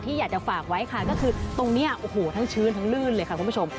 อยากจะฝากไว้ค่ะก็คือตรงนี้โอ้โหทั้งชื้นทั้งลื่นเลยค่ะคุณผู้ชม